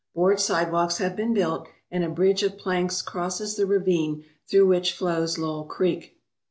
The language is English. Board sidewalks have been built, and a bridge of planks crosses the ravine through which flows Lowell Creek.